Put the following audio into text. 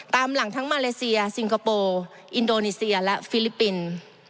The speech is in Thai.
ตามหลังทั้งมาเลเซียซิงคโปร์อินโดนีเซียและฟิลิปปินส์